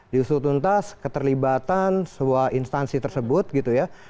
diusul tuntas keterlibatan sebuah instansi tersebut gitu ya